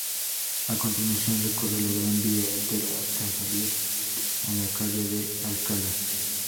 A continuación recorre la Gran Vía entera hasta salir a la calle de Alcalá.